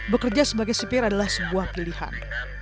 bekerja sebagai sipir adalah sebuah pilihan